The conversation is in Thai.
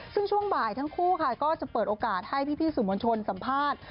ซึ่งช่วงบ่ายทั้งคู่ค่ะก็จะเปิดโอกาสให้พี่สื่อมวลชนสัมภาษณ์